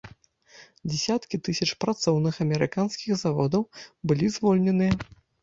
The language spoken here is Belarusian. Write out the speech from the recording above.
Дзесяткі тысяч працоўных амерыканскіх заводаў былі звольненыя.